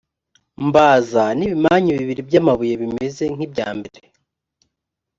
mbaza n’ibimanyu bibiri by’amabuye bimeze nk’ibya mbere,